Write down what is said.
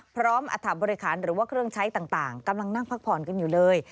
อัฐบริคารหรือว่าเครื่องใช้ต่างกำลังนั่งพักผ่อนกันอยู่เลย